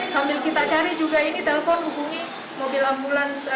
sambil kita cari juga ini telpon hubungi mobil ambulans